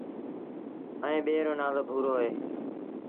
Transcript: ائيٚݩ ٻي رو نآلو ڀورو اهي۔